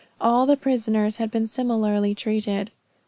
All the prisoners had been similarly treated.